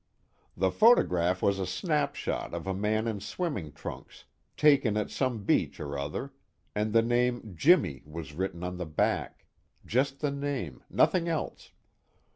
"The photograph was a snapshot of a man in swimming trunks, taken at some beach or other, and the name 'Jimmy' was written on the back just the name, nothing else.